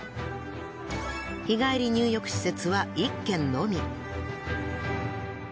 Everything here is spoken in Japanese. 日帰り入浴施設は１軒のみ。